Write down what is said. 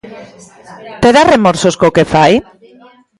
Terá remorsos co que fai?